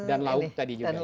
dan lauk tadi juga ya